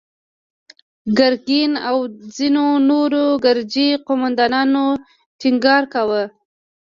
ګرګين او ځينو نورو ګرجي قوماندانانو ټينګار کاوه.